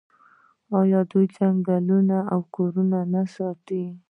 آیا دوی ځنګلونه او کورونه نه ساتي؟